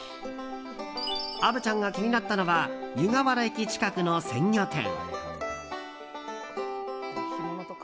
虻ちゃんが気になったのは湯河原駅近くの鮮魚店。